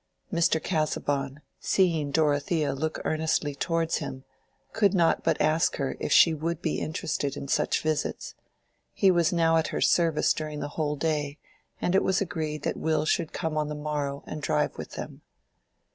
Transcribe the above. Mr. Casaubon, seeing Dorothea look earnestly towards him, could not but ask her if she would be interested in such visits: he was now at her service during the whole day; and it was agreed that Will should come on the morrow and drive with them.